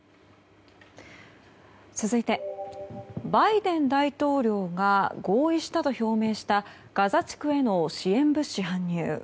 続いて、バイデン大統領が合意したと表明したガザ地区への支援物資搬入。